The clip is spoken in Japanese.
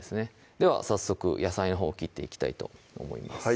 では早速野菜のほう切っていきたいと思います